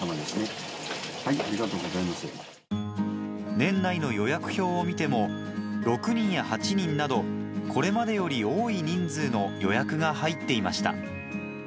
年内の予約表を見ても、６人や８人など、これまでより多い人数の予約が入っていました。